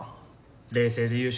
冷静で優秀？